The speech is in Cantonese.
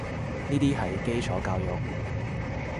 呢啲係基礎教育